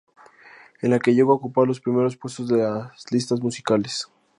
En la que llegó a ocupar los primeros puestos de las listas musicales.